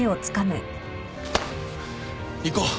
行こう